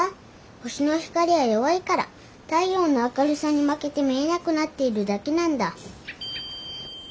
星の光は弱いから太陽の明るさに負けて見えなくなっているだけなんだ。